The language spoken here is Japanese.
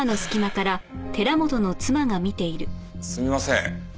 すみません。